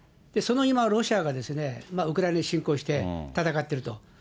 その今、ロシアがですね、ウクライナに侵攻して戦ってると。